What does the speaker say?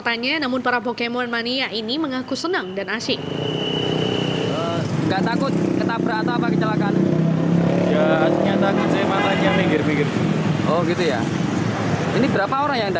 kalau ditanya namun para pokemon mania ini mengaku senang dan asing